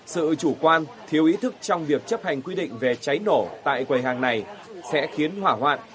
sự chủ quan thiếu ý thức trong việc chấp hành quy định về cháy nổ tại quầy hàng này sẽ khiến hỏa hoạn